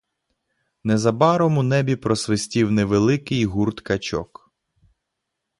Незабаром у небі просвистів невеликий гурт качок.